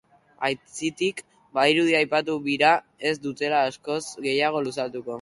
Aitzitik, badirudi aipatu bira ez dutela askoz gehiago luzatuko.